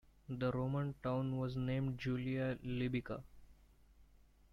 The Roman town was named Julia Libyca.